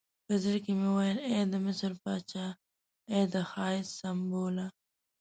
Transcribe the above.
په زړه کې مې ویل ای د مصر پاچا، ای د ښایست سمبوله.